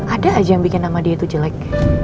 ada aja yang bikin nama dia itu jelek